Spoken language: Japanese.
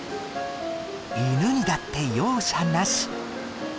犬にだって容赦なし。